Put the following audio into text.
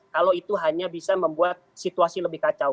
kalau itu hanya bisa membuat situasi lebih kacau